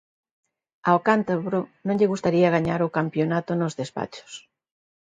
Ao cántabro non lle gustaría gañar o campionato nos despachos.